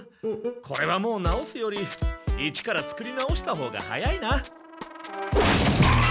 これはもう直すより一からつくり直したほうが早いな。